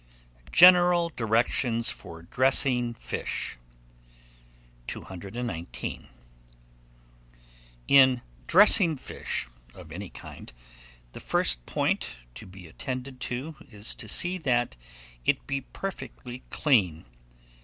GENERAL DIRECTIONS FOR DRESSING FISH. 219. IN DRESSING FISH, of any kind, the first point to be attended to, is to see that it be perfectly clean.